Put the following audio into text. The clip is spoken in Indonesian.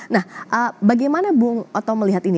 nah bagaimana bung oto melihat ini